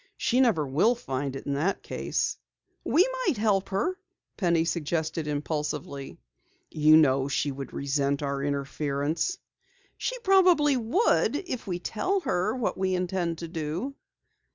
She never will find it in that case." "We might help her," Penny suggested impulsively. "You know she would resent our interference." "She probably would if we tell her what we intend to do."